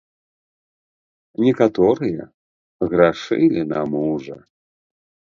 Некаторыя грашылі на мужа.